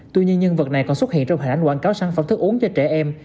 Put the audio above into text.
tuy nhiên nhân vật này còn xuất hiện trong hình ảnh quảng cáo sản phẩm thức uống cho trẻ em